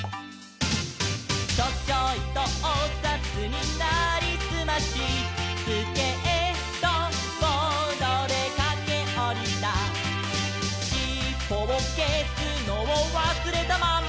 「チョチョイとおさつになりすまし」「スケートボードでかけおりた」「しっぽをけすのをわすれたまんま」